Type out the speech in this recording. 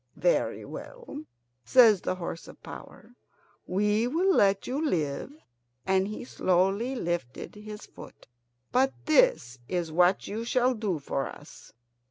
"Very well," says the horse of power; "we will let you live," and he slowly lifted his foot. "But this is what you shall do for us.